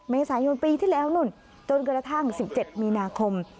เมษายนปีที่แล้วนู่นจนกระทั่ง๑๗มีนาคม